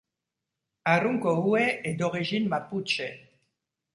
Aruncohue est d'origine mapuche.